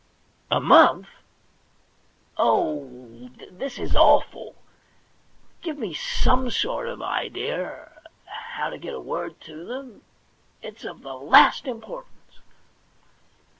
* A month ! Oh, this is awful ! Give me some sort of idea of how to get a word to them. It's of the last importance.'